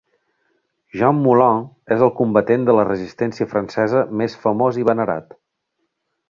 Jean Moulin és el combatent de la Resistència Francesa més famós i venerat.